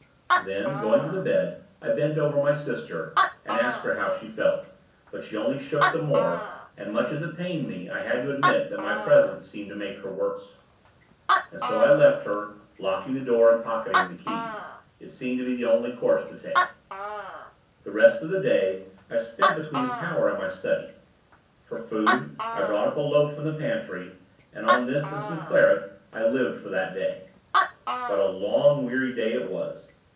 Then, going to the bed, I bent over my sister, and asked her how she felt; but she only shook the more, and, much as it pained me, I had to admit that my presence seemed to make her worse. And so, I left her locking the door, and pocketing the key. It seemed to be the only course to take. The rest of the day, I spent between the tower and my study. For food, I brought up a loaf from the pantry, and on this, and some claret, I lived for that day. What a long, weary day it was.